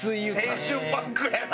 青春パンクやな！